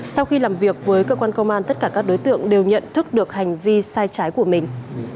sau khi làm việc với cơ quan công an tất cả các đối tượng đều nhận thức được hành vi sai trái của mình